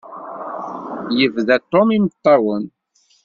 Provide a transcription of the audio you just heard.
Yebda Tom imeṭṭawen.